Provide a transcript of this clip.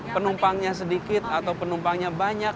penumpangnya sedikit atau penumpangnya banyak